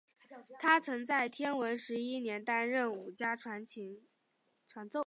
他曾在天文十一年担任武家传奏。